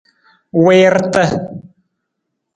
Wiirata.